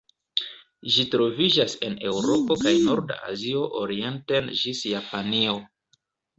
Ĝi troviĝas en Eŭropo kaj norda Azio orienten ĝis Japanio.